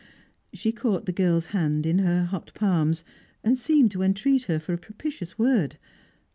She caught the girl's hand in her hot palms, and seemed to entreat her for a propitious word.